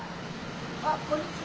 あっこんにちは。